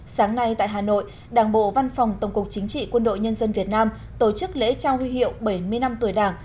sáng nay tại hà nội đảng bộ văn phòng tổng cục chính trị quân đội nhân dân việt nam tổ chức lễ trao huy hiệu bảy mươi năm tuổi đảng